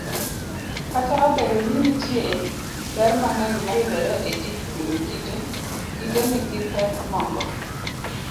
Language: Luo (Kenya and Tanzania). Kata obedo ninitie ber mang'eny mayudore etijkunyo kite, kite nigi pek moko.